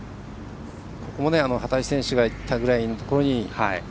ここも幡地選手がいったぐらいのところに。